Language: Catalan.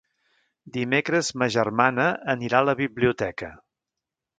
Dimecres ma germana anirà a la biblioteca.